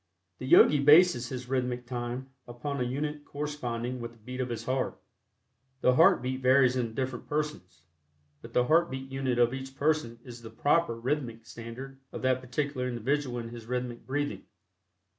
The Yogi bases his rhythmic time upon a unit corresponding with the beat of his heart. The heart beat varies in different persons, but the heart beat unit of each person is the proper rhythmic standard for that particular individual in his rhythmic breathing.